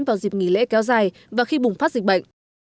vào dịp nghỉ lễ kéo dài và khi bùng phát dịch bệnh